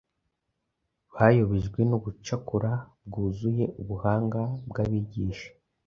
Bayobejwe n’ubucakura bwuzuye ubuhanga bw’abigisha